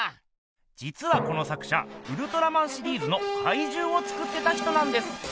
じつはこの作者ウルトラマンシリーズのかいじゅうを作ってた人なんです。